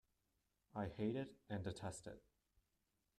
I hate it and detest it.